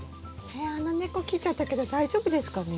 あんな根っこ切っちゃったけど大丈夫ですかね？